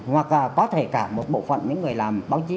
hoặc có thể cả một bộ phận những người làm báo chí